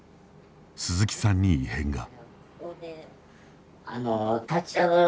鈴木さんに、異変が。